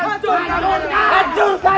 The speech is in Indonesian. dan tidak guna